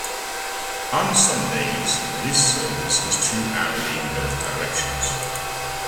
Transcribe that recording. On Sundays, this service is two hourly in both directions.